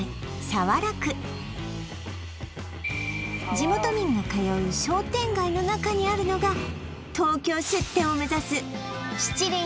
早良区地元民が通う商店街の中にあるのが東京出店を目指す七輪